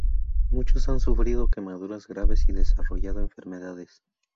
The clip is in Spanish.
Muchos han sufrido quemaduras graves y desarrollado enfermedades.